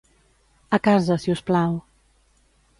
A casa, si us plau.